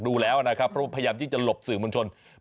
ดูแล้วนะครับเพราะพยายามจริงที่จะหลบสื่อมนชนไปทางด้านหลัง